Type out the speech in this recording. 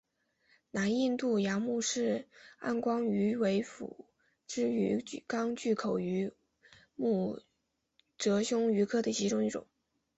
南印度洋穆氏暗光鱼为辐鳍鱼纲巨口鱼目褶胸鱼科的其中一种。